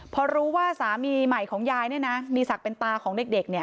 พอรู้ว่าสามีใหม่ของยายเนี่ยนะมีศักดิ์เป็นตาของเด็กเนี่ย